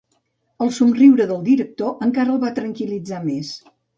El somriure del director encara el va tranquil·litzar més.